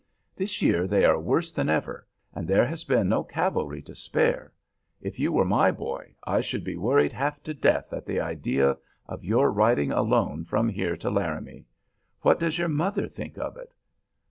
This year they are worse than ever, and there has been no cavalry to spare. If you were my boy, I should be worried half to death at the idea of your riding alone from here to Laramie. What does your mother think of it?"